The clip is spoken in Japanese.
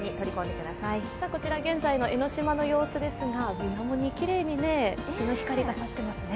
こちら現在の江の島の様子ですが、水面にきれいに日の光が差していますね。